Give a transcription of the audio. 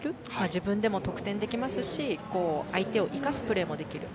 自分でも得点できますし相手を生かすプレーもできる。